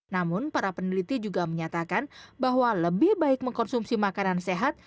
namun para peneliti juga menyatakan bahwa lebih baik mengkonsumsi makanan sehat